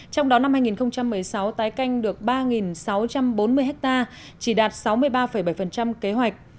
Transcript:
trong đó năm hai nghìn một mươi sáu tái canh được ba sáu trăm bốn mươi ha chỉ đạt sáu mươi ba bảy kế hoạch